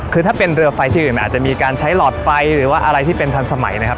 คือถ้าเป็นเรือไฟที่อื่นมันอาจจะมีการใช้หลอดไฟหรือว่าอะไรที่เป็นทันสมัยนะครับ